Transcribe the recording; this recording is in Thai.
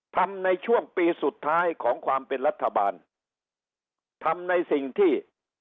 ทำในช่วงปีสุดท้ายของความเป็นรัฐบาลทำในสิ่งที่